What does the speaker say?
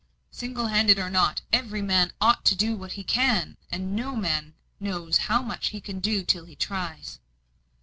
"Single handed or not, every man ought to do what he can. And no man knows how much he can do till he tries."